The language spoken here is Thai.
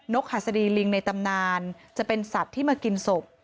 กหัสดีลิงในตำนานจะเป็นสัตว์ที่มากินศพ